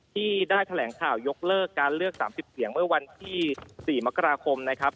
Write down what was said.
ที่ได้แถลงข่าวยกเลิกการเลือก๓๐เสียงเมื่อวันที่๔มกราคมนะครับ